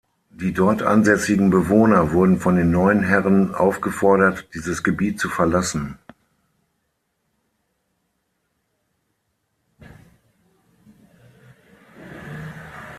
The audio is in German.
Die dort ansässigen Bewohner wurden von den neuen Herren aufgefordert, dieses Gebiet zu verlassen.